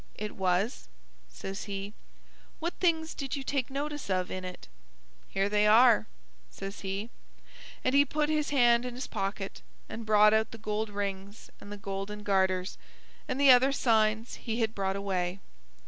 "It was," says he. "What things did you take notice of in it?" "Here they are," says he. And he put his hand in his pocket, and brought out the gold rings and the golden garters, and the other signs he had brought away.